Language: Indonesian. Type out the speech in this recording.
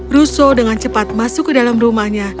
russo dengan cepat masuk ke dalam rumahnya